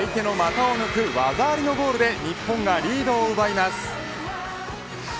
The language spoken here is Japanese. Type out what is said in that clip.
相手の股を抜く技ありのゴールで日本がリードを奪います。